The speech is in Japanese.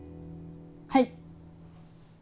はい。